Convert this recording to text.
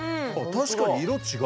確かに色違う。